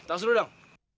oke tau dulu dong